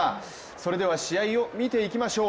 それでは試合を見ていきましょう。